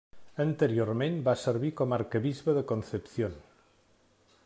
Anteriorment va servir com Arquebisbe de Concepción.